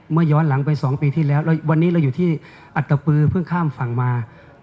ย้อนหลังไป๒ปีที่แล้วแล้ววันนี้เราอยู่ที่อัตตปือเพิ่งข้ามฝั่งมา